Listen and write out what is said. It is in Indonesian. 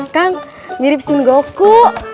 kang mirip sungguhku